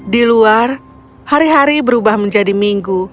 di luar hari hari berubah menjadi minggu